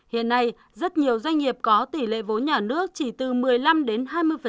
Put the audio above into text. hiện nay rất nhiều doanh nghiệp có tỷ lệ vốn nhà nước chỉ từ một mươi năm đến hai mươi